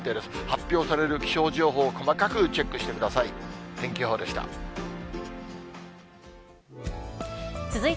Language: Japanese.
発表される気象情報を細かくチェックしてください。